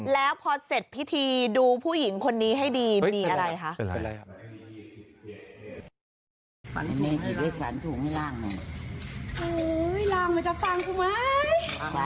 แล้วพอเสร็จพิธีดูผู้หญิงคนนี้ให้ดีมีอะไรคะ